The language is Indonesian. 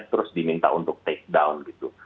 terus diminta untuk take down gitu